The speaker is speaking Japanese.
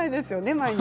毎日。